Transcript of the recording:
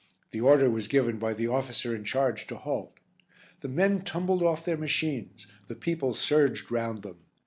The order was given by the officer in charge to halt. The men tumbled off their machines, the people surged round them.